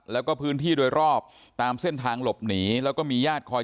แล้วก็พื้นที่โดยรอบตามเส้นทางหลบหนีแล้วก็มีญาติคอย